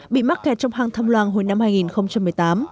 bị mắc kẹt trong hang thăm làng hồi năm hai nghìn một mươi tám